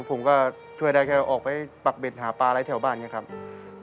ผมก็ช่วยได้แค่ออกไปปักเบ็ดหาปลาอะไรแถวบ้านอย่างนี้ครับ